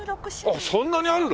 あっそんなにあるの？